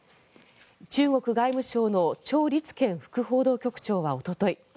中国外務省のチョウ・リツケン副報道局長はおととい